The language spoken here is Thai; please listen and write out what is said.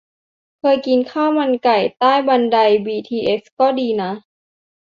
เคยกินข้าวมันไก่ใต้บันไดบีทีเอส ก็ดีนะ